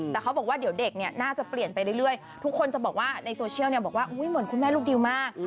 แต่เขาบอกว่าเดี๋ยวเด็กเนี่ยน่าจะเปลี่ยนไปเรื่อยทุกคนจะบอกว่าในโซเชียลบอกว่าเหมือนคุณแม่ลูกดิวมาก